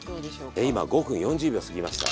え今５分４０秒過ぎました。